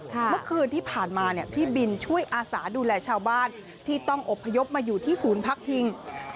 เมื่อคืนที่ผ่านมาพี่บินช่วยอาสาดูแลชาวบ้านที่ต้องอบพยพมาอยู่ที่ศูนย์พักพิง